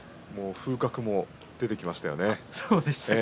風格も出てきましたね。